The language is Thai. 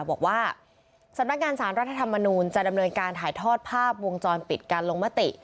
บอกว่าสำนักงานสารรัฐธรรมนูลจะดำเนินการถ่ายทอดภาพวงจรปิดการลงมติ